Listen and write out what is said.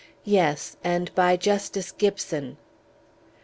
"Yes; and by Justice Gibson!"